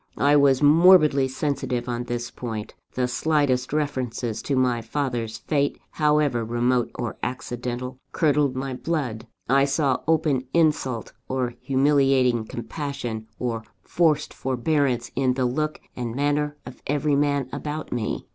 I was morbidly sensitive on this point. The slightest references to my father's fate, however remote or accidental, curdled my blood. I saw open insult, or humiliating compassion, or forced forbearance, in the look and manner of every man about me.